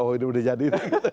oh ini udah jadi